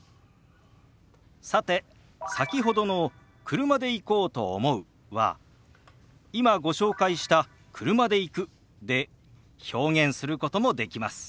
さて先ほどの「車で行こうと思う」は今ご紹介した「車で行く」で表現することもできます。